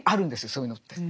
そういうのって。